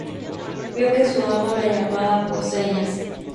Vio que su amo la llamaba por señas.